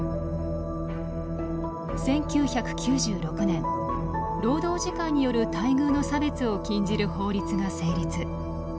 １９９６年労働時間による待遇の差別を禁じる法律が成立。